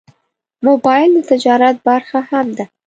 موبایل د تجارت برخه هم ده.